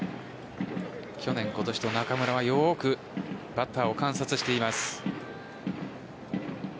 去年、今年と中村はよくバッターを観察しています。